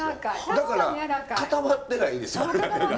だから固まってないんですよ中が。